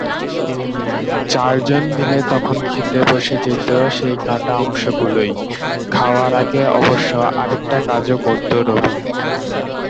চারজন মিলে তখন খেতে বসে যেত সেই কাটা অংশগুলোই! খাওয়ার আগে অবশ্য আরেকটা কাজও করতো রবিন।